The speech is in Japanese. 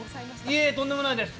いや、とんでもないです。